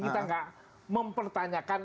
kita enggak mempertanyakan